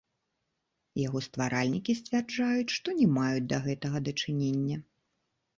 Яго стваральнікі сцвярджаюць, што не маюць да гэтага дачынення.